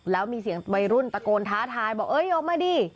แล้วมีเสียงวัยรุ่นตะโกนท้าทายบอกเอ้ยออกมาดิ